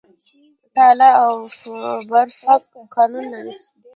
تاله او برفک کانونه لري؟